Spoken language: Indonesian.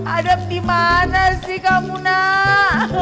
adam di mana sih kamu nak